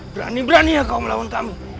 berani berani ya kau melawan kami